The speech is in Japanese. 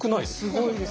すごいです。